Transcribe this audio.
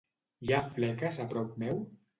Hi ha fleques a prop meu?